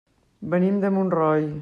Venim de Montroi.